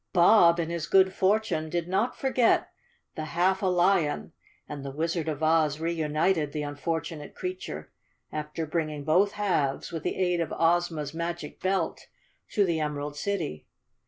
Bob, in his good fortune, did not forget the half da The Cowardly Lion of Oz lion, and the Wizard of Oz reunited the unfortunate creature, after bringing both halves, with the aid of Oz ma's magic belt, to the Emerald City.